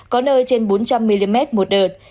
có nơi trên bốn trăm linh mm một đợt